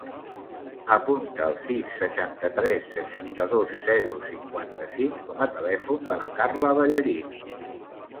Apunta el sis, seixanta-tres, seixanta-dos, zero, cinquanta-cinc com a telèfon de la Carla Ballarin.